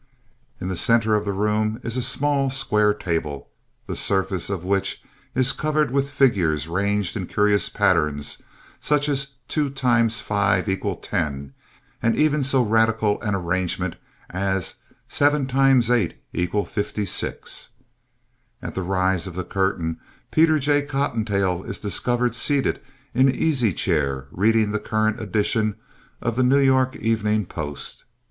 In the center of the room is a small square table, the surface of which is covered with figures ranged in curious patterns such as 2 × 5 = 10, and even so radical an arrangement as 7 × 8 = 56. At the rise of the curtain Peter J. Cottontail is discovered seated in an easy chair reading the current edition of The New York Evening Post.